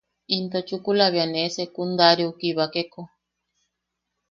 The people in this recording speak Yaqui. Into chukula bea ne secundariaʼu kibakeko.